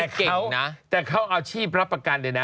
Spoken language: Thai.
แต่เก่งนะแต่เขาอาชีพรับประกันเลยนะ